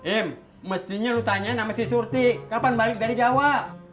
im mestinya lo tanyain sama si surti kapan balik dari jawa